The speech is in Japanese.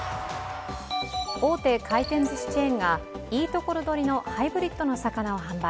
大手回転ずしチェーンがいいところどりのハイブリット魚を販売。